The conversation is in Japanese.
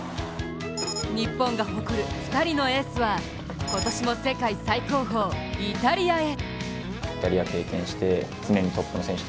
日本が誇る２人のエースは今年も世界最高峰、イタリアへ。